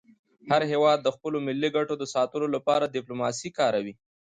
هر هېواد د خپلو ملي ګټو د ساتلو لپاره ډيپلوماسي کاروي.